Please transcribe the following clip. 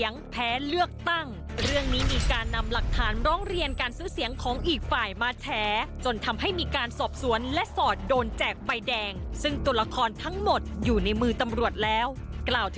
อยู่ทางนี้แล้วค่ะ